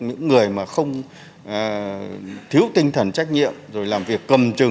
những người mà không thiếu tinh thần trách nhiệm rồi làm việc cầm trừ